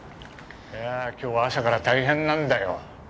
いや今日は朝から大変なんだよ。